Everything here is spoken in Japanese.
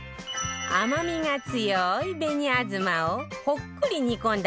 甘みが強い紅あずまをほっくり煮込んだ